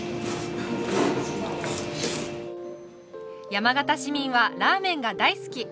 山形市民はラーメンが大好き。